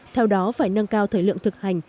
theo đó phải nâng cao thời lượng thực hành